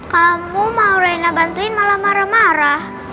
kamu mau lena bantuin malah marah marah